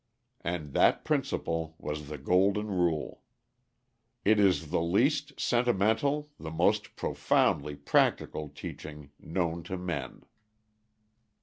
And that principle was the Golden Rule. It is the least sentimental, the most profoundly practical teaching known to men.